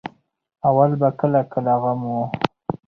اول به کله کله غم وو.